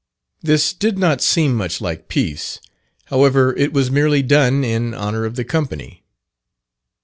This did not seem much like peace: however, it was merely done in honour of the company.